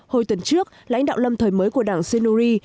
hồi tuần trước lãnh đạo lâm thời mới của đảng senuri